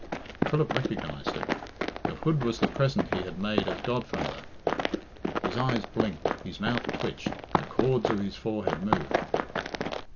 Philip recognised it. The hood was the present he had made as godfather. His eyes blinked, his mouth twitched, the cords of his forehead moved.